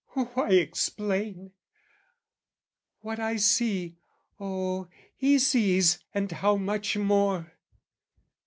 Why explain? What I see, oh, he sees and how much more!